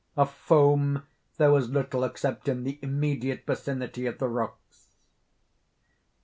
Of foam there was little except in the immediate vicinity of the rocks.